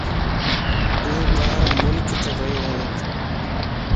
يو ٻار ملڪت ويووَ